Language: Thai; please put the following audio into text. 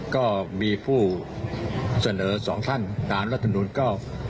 ก็มีผู้เสนอสองท่านตามรัฐมนุนก็